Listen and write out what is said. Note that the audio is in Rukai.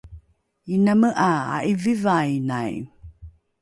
iname ’a a’ivivainai